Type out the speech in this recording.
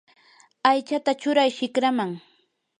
aychata churay shikraman.